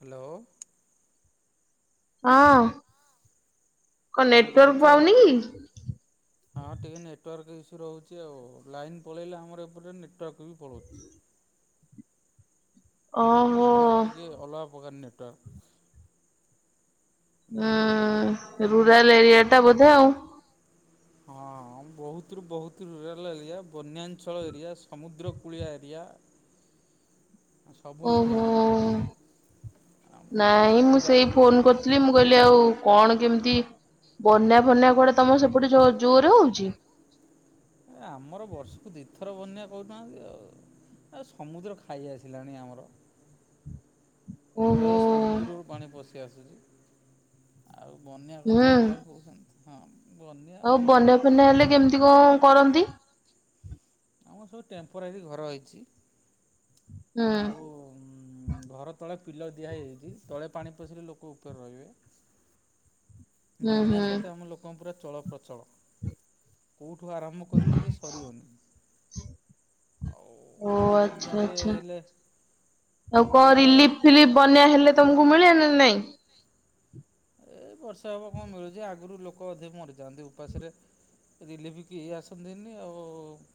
Hello. ହଁ। କଁ କଣ କରୁଛ? ନେଟୱାର୍କ ପାଉନି ହଁ ଟିକେ କି? ନେଟୱାର୍କ ଇସୁ ରହୁଚି ଆଉ ଲାଇନ୍ ପଳେଇଲେ ଆମର ଏପଟରେ ନେଟୱାର୍କ ବି ପଳଉଚି। ଓହୋ। ଆମର ଟିକେ ଅଲଗା ପକାର ନେଟୱାର୍କ। ବୁଝିଲେ କି? ହୁଁ ରୁରାଲ୍ ଏରିଆ ଟା ବୋଧେ ଆଉ। ହଁ ହଁ ଆମ୍ ବହୁତ୍ ରୁ ବହୁତ୍ ରୁରାଲ୍ ଏଲିଆ ବନ୍ୟାଞ୍ଚଳ ଏରିଆ ସମୁଦ୍ର କୂଳିଆ ଏରିଆ। ସବୁ ଏରିଆ ଓହୋ। ଆମର ନାଇଁ ଆମର ମୁଁ ଯା ସେଇ ଫୋନ କରିଥିଲି ମୁଁ କହିଲି ଏ ଆଉ କଣ କେମତି ବନ୍ୟା ଫନ୍ୟା କୁଆଡେ ତମ ସେପଟେ ଜୋ ଜୋରରେ ହଉଚି। ଆମର ବର୍ଷୁକୁ ଦିଥର ବନ୍ୟା କରୁନାହାନ୍ତି ଆଉ ଆ ସମୁଦ୍ର ଖାଇ ଆସିଲାଣି ଆମର। ବେଳେ ଓହୋ। ବେଳେ ସମୁଦ୍ରରୁ ପାଣି ପଶି ଆସୁଚି। ଆଉ ବନ୍ୟା ହୁଁ କଥା କାହି କହୁଛନ୍ତି ହଁ। ବନ୍ୟା ଆଉ କଣ ବନ୍ୟା ଫନ୍ୟା ହେଲେ କେମତି କଣ କରନ୍ତି? ଆମର ସବୁ ଟେମ୍ପରାରୀ ଘର ହେଇଚି। ହୁଁ ଆଉ ଉମ୍ ଘର ତଳ ପିଲର ଦିଆ ହେଇଯାଇଚି। ତଳେ ପାଣି ପଶିଲେ ଲୋକ ଉପେର ରହିବେ। ହୁଁ ବନ୍ୟା ହୁଁ ସହିତ ଆମ ଲୋକଙ୍କ ପୁରା ଚଳ ପ୍ରଚଳ। ଉଠ୍ ଠୁ ଆରମ୍ଭ କରିବି ଯେ ସରିବନି। ଆଉ ଓ ଆଚ୍ଛା ବନ୍ୟାରେ ଆଚ୍ଛା। ହେଲେ ଆଉ ଆମର କଣ ରିଲିଫ୍ ଫିଲିଫ୍‌ ବନ୍ୟା ହେଲେ ତମକୁ ମିଳେ ନା ନାଇଁ? ଏଇ ବର୍ଷେ ହବ କଣ ମିଳୁଚି। ଆଗୁରୁ ଲୋକ ଅଧିକ ମରିଯାନ୍ତି ଉପାସରେ। ରିଲିଫ କେହି ଆସନ୍ତିନି ଆଉ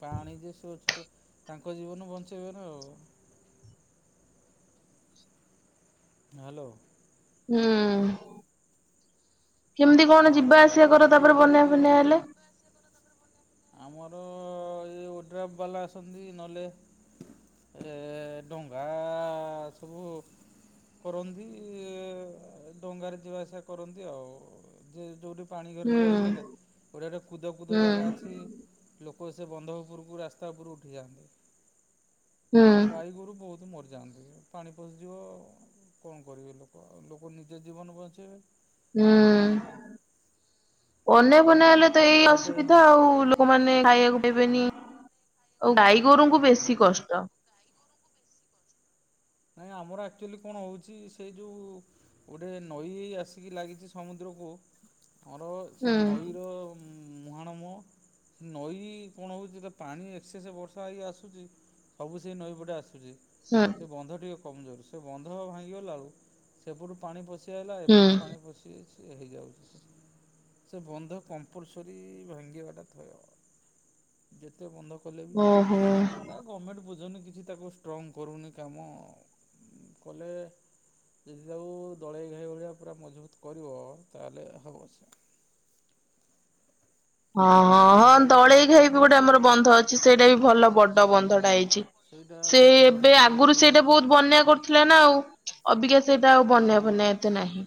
ପାଣି ଯେ ସୁଅ ଛୁଟେ। ତାଙ୍କ ଜୀବନ ବଞ୍ଚେଇବେନା ଆଉ ହାଲୋ। ହୁଁ। କେମତି କଣ ଆଉ ଯିବା ଆସିଆ କର ରିଲିଫ୍ ତାପରେ ଏବେ ଏଇ ବନ୍ୟା ଦୁଇ ବର୍ଷ ଫନ୍ୟା ହେବ ହେଲେ? ଆମର ଏ ଯୋଉ ଓଡ୍ରାଫ ବାଲା ଆସନ୍ତି ନଲେ ଏ ଡଙ୍ଗା ସବୁ କରନ୍ତି ଇ ଡଙ୍ଗାରେ ଯିବା ଆସିବା କରନ୍ତି ଆଉ ଯେ ଯୋଉଠି ପାଣି ଘରେ ହୁଁ ରହିଗଲେ ଗୋଟେ ଗୋଟେ କୁଦ କୁଦ ହୁଁ ଜାଗା ଅଛି ଲୋକ ସେ ବନ୍ଧ ଉପରୁକୁ ରାସ୍ତା ଉପରୁକୁ ଉଠିଯାଆନ୍ତି। ହୁଁ ଆଉ ଗାଈ ଗୋରୁ ବହୁତ ମରି ଯାଆନ୍ତି। ପାଣି ପଶିଯିବ କଣ କରିବେ ଲୋକ ଆଉ ଲୋକ ନିଜ ଜୀବନ ବଞ୍ଚେଇବେ। ହଁ ହୁଁ ବନ୍ୟା ଫନ୍ୟା ହେଲେ ତ ଏଇ ଥରେ ଏମ ଅସୁବିଧା ଆଉ ଲୋକମାନେ ଖାଇଆକୁ ଦେବେନି ଓ ଗାଈ ଗୋରୁଙ୍କୁ ବେଶୀ କଷ୍ଟ। ବେଶୀ କିଛି ନାହିଁ। ଆମର ଆକଚୁଆଲି କଣ ହଉଚି ଗୋଟେ ନଈ ଆସିକି ଲାଗିଚି ସମୁଦ୍ରକୁ ଆମର ସେ ହୁଁ ନଈର ମୁ ମୁହାଣ ମୁହଁ ନଈ କଣ ହଉଚି ଯେତେବେଳେ ପାଣି ଏକ୍ସେସ ବର୍ଷା ହେଇକି ଆସୁଚି ସବୁ ସେଇ ନଈ ପଟେ ଆସୁଚି। ହୁଁ। ଟିକେ କମଜୋର ସେ ବନ୍ଧ ଭାଙ୍ଗିଗଲା ବଳୁ ସେପଟୁ ପାଣି ପଶି ଆଇଲା ହୁଁ ଏପଟୁ ପାଣି ପଶି ସେ ହେଇଯାଉଛି ସେ ବନ୍ଧ କମ୍ପଲସରି ଭାଙ୍ଗିବାଟା ଥୟ। ଯେତେ ବନ୍ଧ କଲେ ବି ଓହୋ ନା ଗମେଣ୍ଟ ବୁଝୁନି କିଛି ତାକୁ ଷ୍ଟ୍ରଙ୍ଗ୍ କରୁନି କାମ। କଲେ ଯଦି ତାକୁ ଦଳେଇ ଘାଇ ଭଳିଆ ପୁରା ମଜବୁତ କରିବ, ତାହେଲେ ହବ ସେ। ହଁ ହଁ ହଁ ବନ୍ଧଟାକୁ କିଛି ଦଳେଇ ଘାଇ ବି କରୁନି ଗୋଟେ ସେ ଆମର ବନ୍ଧ ଅଛି, ସେଇଟା ବି ଭଲ ବଡ ବନ୍ଧଟା ହେଇଚି। ସେଇଟା ସେ ମୁଁ ଏଇ ଏବେ ଶୁଣିଥିଲି ଥରେ ଆଗରୁ ଟିଭିରେ ସେଇଟା ବହୁତ ଦେଖିଥିଲି। ବନ୍ୟା କରୁଥିଲା ନା ଆଉ ଅବିକା ସେଇଟା ଆଉ ବନ୍ୟା ହଁ ଫନ୍ୟା ଏତେ ନାହିଁ।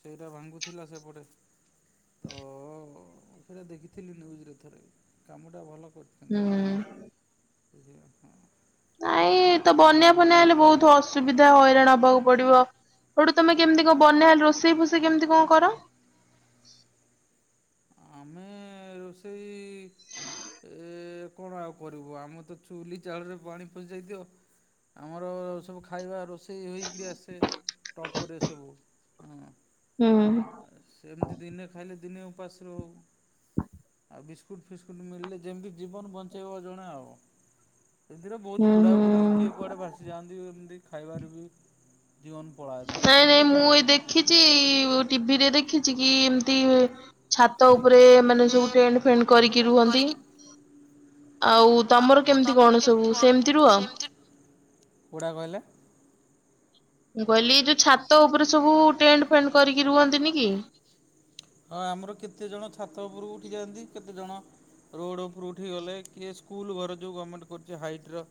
ସେଇଟା ଭାଙ୍ଗୁଥିଲା ସେପଟେ ତ ଅ ସେଇଟା ଦେଖିଥିଲି ନିୟୁଜ୍ ରେ ଥରେ କାମଟା ଭଲ ହୁଁ। କରିଛନ୍ତି [unintelligible] ନାଇଁ ତ ବନ୍ୟା ଫନ୍ୟା ହେଲେ ବହୁତ ଅସୁବିଧା ହଇରାଣ ହବାକୁ ପଡିବ ସୋଉଠୁ ତମେ କେମିତି କଣ ବନ୍ୟା ହେଲେ ରୋଷେଇ ଫୋଷେଇ କେମିତି କଣ କର? ଆମେ ରୋଷେଇ ଏ କଣ ଆଉ କରିବୁ ଆମେ ତ ଚୁଲି ଜାଳରେ ପାଣି ପଶି ଯାଇଥିବ। ଆମର ସବୁ ଖାଇବା, ରୋଷେଇ ହେଇକିରି ଆସେ। ଟପରେ ସବୁ, ହଁ। ହୁଁ ସେମିତି ଦିନେ ଖାଇଲେ, ଦିନେ ଉପାସ ରହୁ। ଆଉ ବିସ୍କୁଟ୍ ଫିସ୍କୁଟ୍ ମିଳିଲେ, ଯେମତି ଜୀବନ ବଞ୍ଚେଇବ ଜଣେ ଆଉ। ଏମିତିରେ ବହୁତ ହୁଁ ବୁଢ଼ାବୁଢ଼ୀ, କିଏ ହୁଁ। କୁଆଡେ ଭାସି ଯାଆନ୍ତି। ଏମିତି ଖାଇବାରେ ବି ଜୀବନ ପଳାଏ ତାଙ୍କର ନାଇଁ, ନାଇଁ ବହୁତ ମୁଁ ଏଇ ହଇରାଣ ଦେଖିଚି, ଟି ଭି ରେ ଦେଖିଚି, କି ଏମତି ଛାତ ଉପରେ, ମାନେ ସବୁ ଟେଣ୍ଟ ଫେଣ୍ଟ କରିକି ରୁହନ୍ତି। ଆଉ [unintelligible] ତମର କେମିତି କଣ ସବୁ କେମତି କଣ ସେମିତି ରୁହ? ସେମତି, କୋଉଟା କହିଲେ? ମୁଁ କହିଲି ଏଇ ଯୋଉ ଛାତ ଉପରେ ସବୁ ଟେଣ୍ଟ ଫେଣ୍ଟ କରିକି ରୁହନ୍ତିନି କି। ହଁ, ଆମର କେତେ ଜଣ ଛାତ ଉପୁରୁକୁ ଉଠି ଯାଆନ୍ତି। କେତେ ଜଣ ରୋଡ ଉପରୁ ଉଠି ଗଲେ, କିଏ ସ୍କୁଲ ଘର ଯୋଉ ଗମେଣ୍ଟ୍ କରଚି ହାଇଟର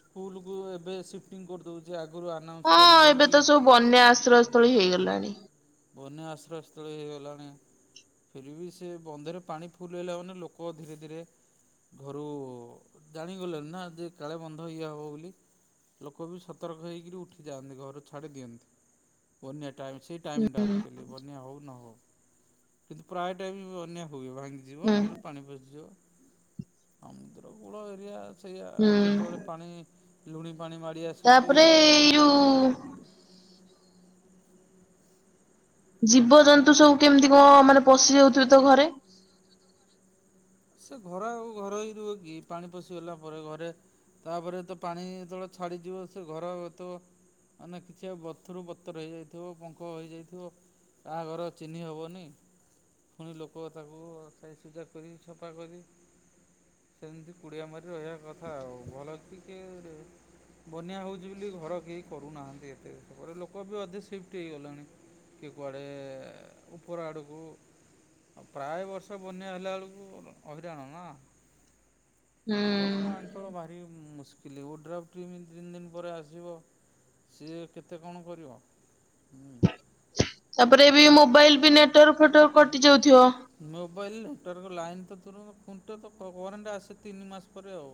ସ୍କୁଲ କୁ ଏବେ ସିଫ୍ଟିଂ କରିଦଉଛଚି। ଆଗ ହଁ, ଏବେ ତ ସବୁ ବନ୍ୟା ଆଶ୍ରୟ ସ୍ଥଳୀ ହେଇଗଲାଣି। ବନ୍ୟ ଆଶ୍ରୟ ସ୍ଥଳୀ ହେଇଗଲାଣି। ଫିର୍ ବି, ସେ ବନ୍ଧରେ ପାଣି ଫୁଲ ହେଲା ମାନେ, ଲୋକ ଧୀରେ ଧୀରେ ଘରୁ, ଜାଣିଗଲେଣି ନା, ଯେ କାଳେ ବନ୍ଧ ଇଏ ହବ ବୋଲି। ଲୋକ ବି ସତର୍କ ହେଇକିରି ଉଠି ଯାଆନ୍ତି। ଘର ଛାଡି ଦିଅନ୍ତି। ବନ୍ୟା ଟାଇମ ସ ଟାଇମ ଟା ଆକଚୁଆଲି ବନ୍ୟା ହଉ, ନ ହଉ। କିନ୍ତୁ ପ୍ରାୟ ଟାଇମ ବନ୍ୟା ହୁଏ ଭାଙ୍ଗିଯିବ, ହୁଁ ନହେଲେ ପାଣି ପଶିଯିବ। ସମୁଦ୍ରକୂଳ ଏରିଆ ସେଇଆ ହୁଁ। କେତେବେଳେ ପାଣି ଲୁଣି ପାଣି ମାଡ଼ି ଆସିଛିି ତାପରେ ଏଇ କି ଯୋଉ ଜୀବଜନ୍ତୁ ସବୁ କେମିତି କଣ ମାନେ ପଶି ଯାଉଥିବେ ତ ଘରେ। ସେ ଘର ଆଉ ଘର ହେଇ ରୁହେ କି। ପାଣି ପଶି ଗଲା ପରେ। ଘରେ ତାପରେ ତ ପାଣି, ତେବେଳେ ଛାଡିଯିବ। ସେ ଘର ତ ମାନେ କିଛି ଆଉ ବତରୁ ବତର ହେଇଯାଇଥିବ ପଙ୍କ ହେଇଯାଇଥିବ। କାହାଘର ଚିହ୍ନି ହବନି। ପୁଣି ଲୋକ ତାକୁ ସାଇ ସୁଜା କରି ସଫା କରି ସେମିତି କୁଡ଼ିଆ ମାରି ରହିବା କଥା ଆଉ। ଭଲ ଅଛି କି ବନ୍ୟା ହେଉଛି ବୋଲି ଘର କେହି କରୁନାହାଁନ୍ତି ଏତେ। ପରେ ଲୋକ ବି ଅଧେ ସିଫ୍ଟ ହେଇଗଲେଣି। କିଏ କୁଆଡେ, ଉପର ଆଡକୁ। ଆ ପ୍ରାୟ ବର୍ଷ ବନ୍ୟା ହେଲା ବେଳକୁ ହଇରାଣ ନା, ବନ୍ୟା ଅଞ୍ଚଳ ଭାରି ମୁ [unintelligible] ତିନି ଦିନ ପରେ ଆସିବ। ସିଏ କେତେ କଣ କରିବ। ହୁଁ। ତାପରେ ବି ମୋବାଇଲ ବି ନେଟୱାର୍କ ଫେଟୱାର୍କ କଟି ଯାଉଥିବ। ମୋବାଇଲ [unintelligible] ଲାଇନ ଖୁଣ୍ଟ କରେଣ୍ଟ ଆସେ ତିନି ମାସ ପରେ ଆଉ।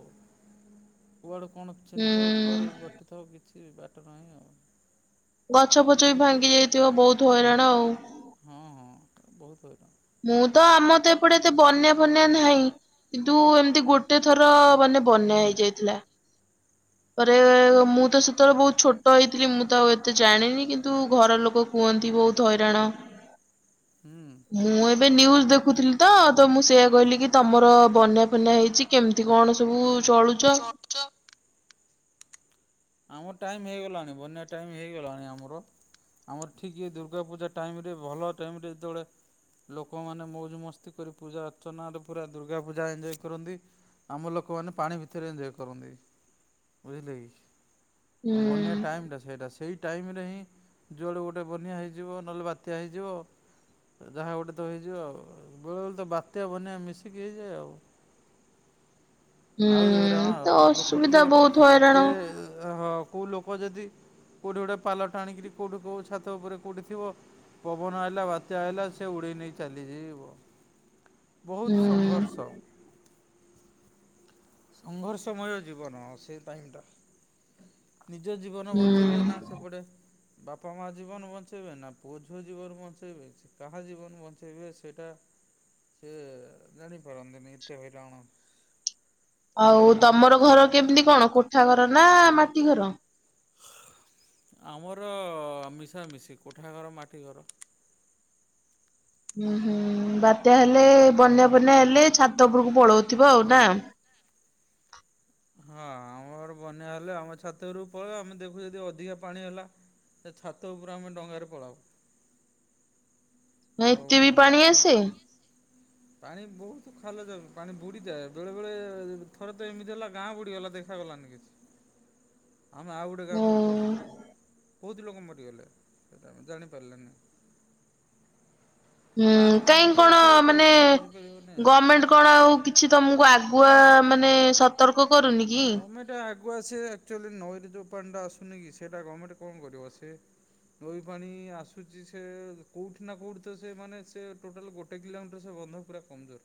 କୁଆଡୁ କଣ ଛିଡ଼ି ଥିବ କୁଆଡୁ ହୁଁ। କଟି ଥିବ କିଛି ବାଟ ନାହିଁ ଆଉ। ଗଛ ହଁ ପଛ ବି ବହୁତ ଭାଙ୍ଗି ହଇରାଣ ଯାଇଥିବ। ବହୁତ ହଇରାଣ ଆଉ। ହଁ ହଁ ବହୁତ ହୁଏ। ମୁଁ ତ ଆମ ତ ଏପଟେ ଏତେ ବନ୍ୟା ଫନ୍ୟା ନାହିଁ। କିନ୍ତୁ ଏମିତି ଗୋଟେ ଥର। ମାନେ ବନ୍ୟା ହେଇଯାଇଥିଲା। ତାପରେ ମୁଁ ତ ସେତେବେଳେ ବହୁତ ଛୋଟ ହେଇଥିଲି। ମୁଁ ତ ଏତେ ଜାଣିନି କିନ୍ତୁ ଘର ଲୋକ କୁହ ବହୁତ ହଇରାଣ। ହୁଁ। ମୁଁ ଏ ଏବେ ନ୍ୟୁଜ୍ ଦେଖୁଥିଲି ତ। ତ ମୁଁ ସେଆ କହିଲି କି, ତୁମର ବନ୍ୟା ଫନା ହେଇଛି କେମିତି କଣ ସବୁ ଚଳୁଚ। ଆମ ଟାଇମ ହେଇଗଲାଣି। ବନ୍ୟା ଟାଇମ ହେଇଗଲାଣି ଆମର। ଆମର ଠିକ୍ ଇଏ ଦୁର୍ଗା ପୂଜା ଟାଇମ ରେ ଭଲ ଟାଇମ ରେ ଯେତେବେଳେ ଲୋକମାନେ ମୌଜ ମସ୍ତି କରି, ପୂଜା ଅର୍ଚ୍ଚନାରେ ପୁରା ଦୁର୍ଗା ପୂଜା ଏଞଜୟ କରନ୍ତି। ଆମ ଲୋକମାନେ ପାଣି ଭିତରେ ଏଞଜୟ କରନ୍ତି। ବୁଝିଲେ କି। ହୁଁ ବନ୍ୟା ଟାଇମ ଟା ସେଇଟା। ସେଇ ସେଇ ଟାଇମ୍ ରେ ହିଁ, ଯୁଆଡ଼ୁ ଗୋଟେ ବନ୍ୟା ହେଇଯିବ। ନହେଲେ ବାତ୍ୟା ହେଇଯିବ। ଯାହା ଗୋଟେ ତ ହେଇଯିବ ଆଉ। ବେଳେବେଳେ ତ ବାତ୍ୟା ବନ୍ୟା ମିଶିକି ହେଇଯାଏ ଆଉ। [inaudible] ଆହୁରି ହଇରାଣ ହୁଁ ଆଉ ତ ଅସୁବିଧା ବହୁତ ହଇରାଣ। ହଁ କେଉଁ ଲୋକ ଯଦି କେଉଁଠି ଗୋଟେ ପାଲ ଟାଣିକରି କେଉଁଠି କେଉଁ ଛାତ ଉପରେ କେଉଁଠି ଥିବ। ପବନ ଆଇଲା ବାତ୍ୟା ଆଇଲା ସେ ଉଡ଼େଇ ନେଇ ଚାଲିଯିବ। ବହୁତ ହୁଁ ସଂଘର୍ଷ। ସଂଘର୍ଷମୟ ଜୀବନ ସେ ଟାଇମଟା। ନିଜ ଜୀବନ ହୁଁ ବଞ୍ଚେଇବେ ନା ସେପଟେ ବାପା ମା ଜୀବନ ବଞ୍ଚେଇବେ! ନା ପୁଅ ଝିଅ ଜୀବନ ବଞ୍ଚେଇବେ କାହା ଜୀବନ ବଞ୍ଚେଇବେ ସେଇଟା ସେ ଜାଣି ପାରନ୍ତିନି ଏତେ ହଇରାଣ। ଆଉ ତମର ଘର କେମିତି କଣ କୋଠା ଘର ନା ମାଟି ଘର? ଆମର ମିଶାମିଶି କୋଠା ଘର ମାଟି ଘର। [inaudible] ହୁଁ ହୁଁ ବାତ୍ୟା ହେଲେ ବନ୍ୟା ବନ୍ୟା ହେଲେ ଛାତ ଉପରକୁ ପଳଉଥିବ ଆଉ ନା। ହଁ ଆମ ଘର ବନ୍ୟା ହେଲେ ଆମ ଛାତ ଉପରକୁ ପଳେଇବୁ ଆମେ ଦେଖୁ ଯଦି ଅଧିକା ପାଣି ହେଲା। ଛାତ ଉପରେ ଆମେ ଡଙ୍ଗାରେ ପଳାଉ। ଏତେ ବି ପାଣି ଆସେ। ହୁଁ। ପାଣି ବହୁତ ଖାଲ ଯା ପାଣି ବୁଡ଼ିଯାଏ। ବେଳେବେଳେ ଥରେ ତ ଏମିତି ହେଲା ଗାଁ ବୁଡ଼ିଗଲା ଦେଖାଗଲାନି। ଆମେ ଆଉ ଗୋଟେ ଗାଁକୁ ହୁଁ ଉଠି ଆସିଲୁ। ବହୁତ ଲୋକ ମରିଗଲେ ସେଇଟା ଆମେ ଜାଣିପାରିଲେନି। ହୁଁ ପାଣି କାହିଁ ମାଡ଼ିକି କଣ ଆସିବ ତ ମାନେ କିଛି ବୁଝିପାରିବନି ଆଉ ଗମେଣ୍ଟ କଣ ଆଉ କିଛି ତମକୁ ଆଗୁଆ ମାନେ ସତର୍କ କରୁନି କି? ଗମେଟ ଆଗୁଆ ସିଏ ଅକ୍ଚୁଆଲି ନଈରେ ଯଉ ପାଣିଟା ଆସୁ ସୁନି କି ସେଟା ଗମେଣ୍ଟ କଣ କରିବ ସେ ନଇ ପାଣି ଆସୁଛି। ସେ କୋଉଠି ନା କୋଉଠି ତ ସେ ମାନେ ସେ ଟୋଟାଲ ଗୋଟେ କିଲୋମିଟର ସେ ବନ୍ଧ ପୁରା କମଜୋର।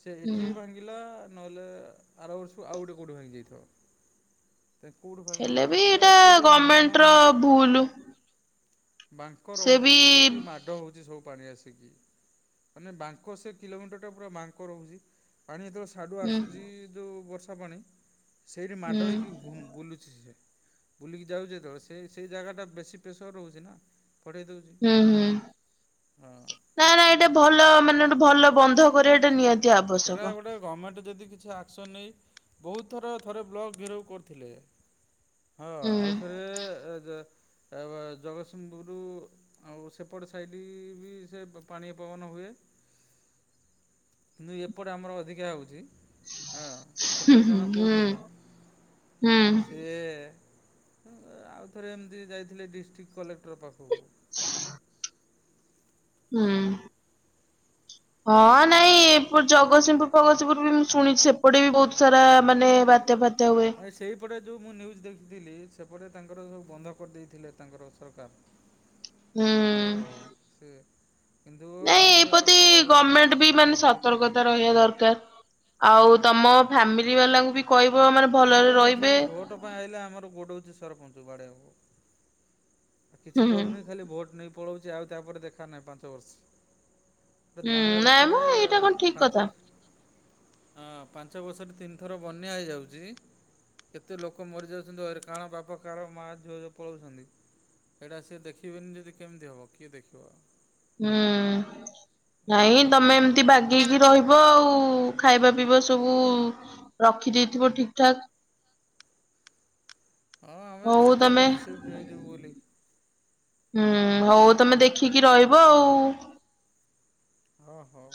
ସେ ହୁଁ ଏଠି ଭାଙ୍ଗିଲା ନହେଲେ ଆର ବର୍ଷକୁ ଆଉ ଗୋଟେ କୋଉଠି ଭାଙ୍ଗି ଯାଇଥାଉ। କୋଉଠୁ ଭାଙ୍ଗିବ ହେଲେ ବି କୋଉଠି ସେ ଏଇଟା ଅକ୍ଚୂଆଲି ଗଭର୍ଣମେଣ୍ଟ ମୁହାଣ ର ମୁହଁ ଟା। ଭୁଲ। ବାଙ୍କ ସେ ରହୁଛି ବି ସେଠି ମାଡ଼ ହଉଛି ସବୁ। ପାଣି ଆସିକି ମାନେ ବାଙ୍କ ସେ କିଲୋମିଟରଟା ପୁରା ବାଙ୍କ ରହୁଚି। ପାଣି ଯେତେବେଳେ ସ୍ ସାଡୁ ହୁଁ ଆସୁଛି ଯୋଉ ବର୍ଷା ପାଣି। ସେଇଠି ମାଡ ହେଇକି ହୁଁ। ଘୁଂ ବୁଲୁଛି ସେ। ବୁଲିକି ଯାଉଛି ଯେତବେଳେ ସେ ସେଇ ଜାଗା ଟା ବେଶୀ ପ୍ରେସର ରହୁଛି ନା। ଫଟେଇ ଦେଉଛି। ହୁଁ ହୁଁ ହଁ ନାଇଁ ନାଇଁ ଏଇଟା ଭଲ ମାନେ ଗଟେ ଭଲ ବନ୍ଧ କରବାଟା ନିହାତି ଆବଶ୍ୟକ। ସେରା ଗୋଟେ ଗମେଣ୍ଟ ଯଦି କିଛି ଆକ୍ସନ୍ ନେଇ ବହୁତ ଥର ଥରେ ବ୍ଲକ୍ ଘେରଉ କରିଥିଲେ। ହଁ ହୁଁ ଆଉଥରେ ଯ ଅ ବ ଜଗତସିଂହପୁର ଆଉ ସେପଟ ସାଇଟ ବି ସେ ପାଣିଆ ପବନ ହୁଏ କିନ୍ତୁ ଏପଟେ ଆମର ଅଧିକା ହଉଛି। ହଁ ହୁଁ ସେପଟେ ଜଣେ ହୁଁ କହୁଥିଲେ ହୁଁ। ସିଏ ଉ ଆଉଥରେ ଏମିତି ଯାଇଥିଲେ ଡିଷ୍ଟ୍ରିକ୍ଟ କଲେକ୍ଟର ପାଖକୁ। [inaudible] ହୁଁ ଉଁ। ହ ହଁ ନାଇଁ ଏ ଜଗତସିଂହପୁର ଫଗତସିଂହପୁର ବି ମୁଁ ଶୁଣିଛି। ଏପଟେ ବି ବହୁତ ସାରା ମାନେ ବାତ୍ୟା ଫା ଆ ସେଇପଟେ। ଯେଉଁ ମୁଁ ନ୍ୟୁଜ୍ ଦେଖିଥିଲି! ସେପଟ ତାଙ୍କର ସବୁ ବନ୍ଧ କରିଦେଇଥିଲେ ତାଙ୍କର ସରକାର। ହୁଁ ଯେଉଁ ଉଁ, ସେ କିନ୍ତୁ ନାଇଁ ଏ ଆମର ଏପଟେ ପ୍ରତି ତଳ ଗାଁ ଗମେଣ୍ଟ ବି ମାନେ ସତର୍କତା ରହିବା ଦରକାର। ଆଉ ତମ ଫାମିଲି ବାଲାଙ୍କୁ ବି କହି ଆମର ଏଥ ଭୋଟ ପା ଆଇଲା ଆମର ଗୋଡଉଛି ସରପଞ୍ଚ କୁ ବାଡେଇ ବାକୁ ହୁଁ କିଛି ହୁଁ। କରୁନି ଖାଲି ଭୋଟ ନେଇ ପଳଉଛି ଆଉ ତାପରେ ଦେଖା ନାହିଁ ପାଞ୍ଚ ବର୍ଷ। ହୁଁ ଜାଣିବା ନାଇଁ ଦରକାର ମ ଏଇଟା କଣ ଠିକ ପାଞ୍ଚ କଥା। ହଁ ପାଞ୍ଚ ବର୍ଷରେ ତିନିଥର ବନ୍ୟା ହେଇଯାଉଛି। କେତେ ଲୋକ ମରିଯାଉଛନ୍ତି ଭୟରେ କାର ବାପା କାହାର ମା ସୁଅରେ ପଳଉଛନ୍ତି। ଏଇଟା ସିଏ ଦେଖିବେନି ଯଦି କେମିତି ହବ କିଏ ଦେଖିବ? ହୁଁ ଏଇଭଳିଆ ନାଇଁ ତମେ ସମସ୍ୟା ଏମିତି ବାଗେଇକି ରହିବ ଆଉ ଖାଇବା ପିଇବା ସବୁ ରଖିଦେଇଥିବ ଠିକ ଠାକ୍। ହଁ ଆମେ ହଉ ଚେଷ୍ଟା ତମେ କରୁଛୁ ସିଫ୍ଟ ହେଇଯିବୁ ବୋଲି। ହୁଁ ହଉ ତମେ ଦେଖିକି ରହିବ ଆଉ। ହଁ ହଉ,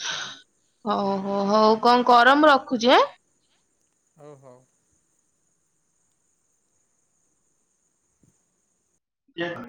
ହଉ ହୋ ହଉ କଣ କର ମୁଁ ରଖୁଛି ଆଁ ହୁଁ ହୁଁ ଦେ [inaudible]